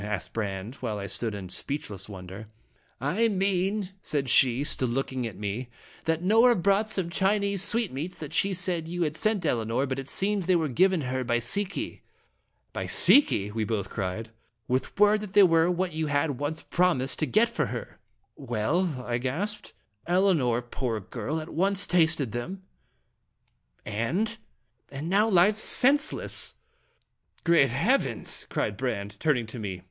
asked Brande, while I stood in speechless wonder. "I mean," said she, still looking at me, "that Nora brought some Chinese sweetmeats that she said you had sent Elinor, but it seems they were given her by Si ki." "By Si ki!" we both cried. " With word that they were what you had once promised to get for her." "Well?" I gasped. ^Dramatic in 4flj) Stestinji. 115 " Elinor, poor girl, at once tasted them " "And "" and now lies senseless!" " Great heavens !" cried Brande, turning to me.